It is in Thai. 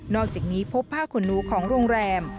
อกจากนี้พบผ้าขนหนูของโรงแรม